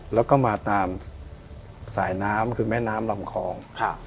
แล้วก็มาตามสายน้ำคือแม่น้ำลำคลอง